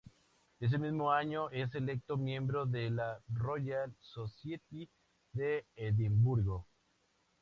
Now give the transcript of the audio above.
Ese mismo año, es electo miembro de la Royal Society de Edimburgo.